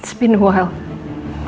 sudah lama tidak bertemu